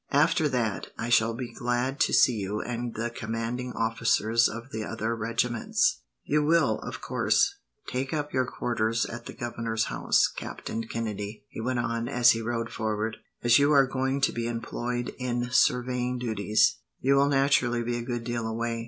After that, I shall be glad to see you and the commanding officers of the other regiments. "You will, of course, take up your quarters at the governor's house, Captain Kennedy," he went on, as he rode forward. "As you are going to be employed in surveying duties, you will naturally be a good deal away.